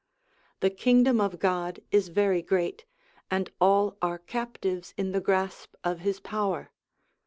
The Kingdom of God is very great, and all are captives in the grasp of His Power.